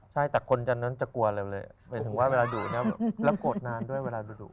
ใช่แต่คนจันนั้นจะกลัวเร็วเป็นถึงว่าเวลาดูแล้วกดนานด้วยเวลาดู